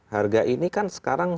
harga ini kan sekarang